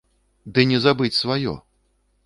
Ды не забыць сваё!